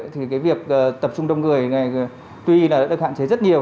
thì việc tập trung đông người tuy là được hạn chế rất nhiều